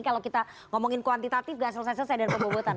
kalau kita ngomongin kuantitatif gak selesai selesai dengan pembobotan